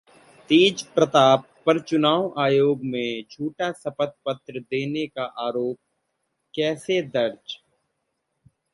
तेजप्रताप पर चुनाव आयोग में झूठा शपथ पत्र देने का आरोप, केस दर्ज